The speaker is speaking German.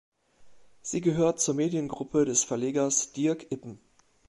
Sie gehört zur Mediengruppe des Verlegers Dirk Ippen.